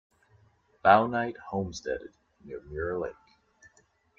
Bouknight, homesteaded near Mirror Lake.